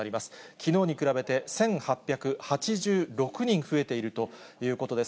きのうに比べて１８８６人増えているということです。